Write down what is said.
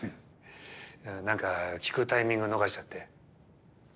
なんか聞くタイミング逃しちゃって。